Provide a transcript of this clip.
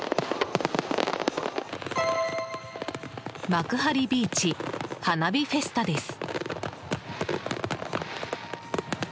幕張ビーチ花火フェスタです。